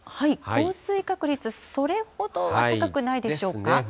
降水確率、それほど高くないでしょうか。ですね。